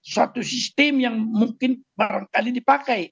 suatu sistem yang mungkin barangkali dipakai